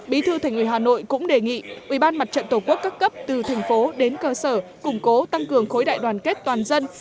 bí thư thành ủy hà nội cũng đề nghị ubnd tp cấp cấp từ thành phố đến cơ sở củng cố tăng cường khối đại đoàn kết toàn dân